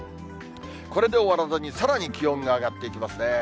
これで終わらずに、さらに気温が上がっていきますね。